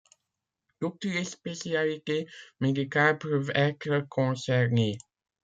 Toutes les spécialités médicales peuvent être concernées.